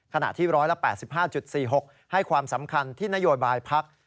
ขณะที่๑๘๕๔๖ให้ความสำคัญที่นโยบายพัก